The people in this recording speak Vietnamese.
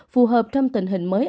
phù hợp trong tình hình mới